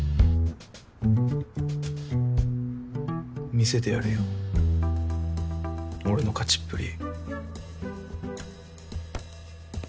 見せてやるよ俺の勝ちっぷり。